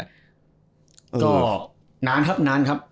ก็นานครับนานครับ